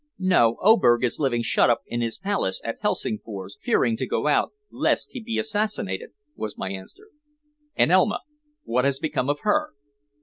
"No; Oberg is living shut up in his palace at Helsingfors, fearing to go out lest he shall be assassinated," was my answer. "And Elma? What has become of her?"